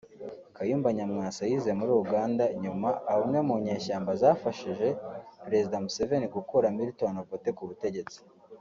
Kayumba Nyamwasa yize muri Uganda nyuma aba umwe munyeshyamba zafashije Perezida Museveni gukura Militon Obote ku butegetsi